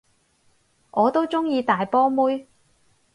我都鍾意大波妹